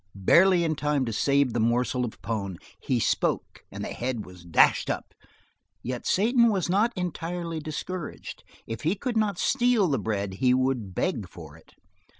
Barely in time to save the morsel of pone, he spoke and the head was dashed up. Yet Satan was not entirely discouraged. If he could not steal the bread he would beg for it.